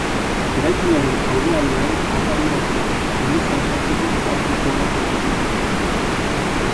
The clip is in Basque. Eraikinaren aurrealdean atari bat dago, elizan sartzeko arku zorrotz batekin.